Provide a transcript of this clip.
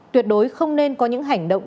tuyệt đối không nên có những hành động